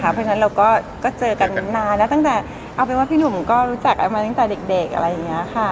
เพราะฉะนั้นเราก็เจอกันนานนะตั้งแต่เอาเป็นว่าพี่หนุ่มก็รู้จักแอฟมาตั้งแต่เด็กอะไรอย่างนี้ค่ะ